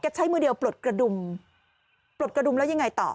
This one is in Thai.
ใช้มือเดียวปลดกระดุมปลดกระดุมแล้วยังไงต่อ